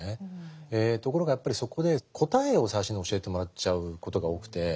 ところがやっぱりそこで答えを最初に教えてもらっちゃうことが多くて。